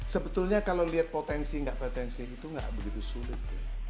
sebetulnya kalau lihat potensi nggak potensi itu nggak begitu sulit